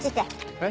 えっ？